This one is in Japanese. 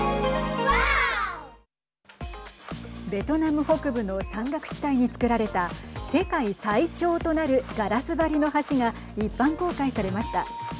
ベトナム北部の山岳地帯につくられた世界最長となるガラス張りの橋が一般公開されました。